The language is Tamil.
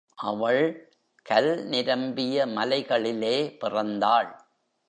அவள் கல் நிரம்பிய மலைகளிலே பிறந்தாள்.